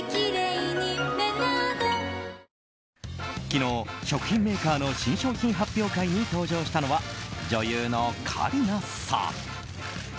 昨日、食品メーカーの新商品発表会に登場したのは女優の香里奈さん。